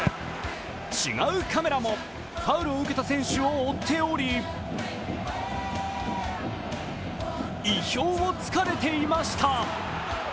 違うカメラも、ファウルを受けた選手を追っており、意表を突かれていました。